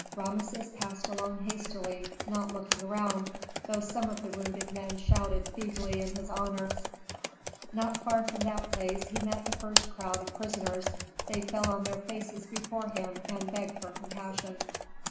Rameses passed along hastily, not looking around, though some of the wounded men shouted feebly in his honor. Not far from that place he met the first crowd of prisoners. They fell on their faces before him and begged for compassion.